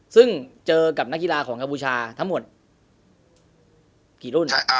ซึ่งเจอกับนักกีฬาของกัมพูชาทั้งหมดกี่รุ่น